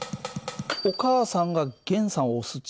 お母さんが源さんを押す力